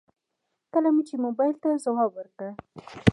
کله مې چې موبايل ته ځواب وکړ.